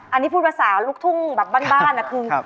อันนี้พูดภาษาลูกทุ่งแบบบ้านนะคุณ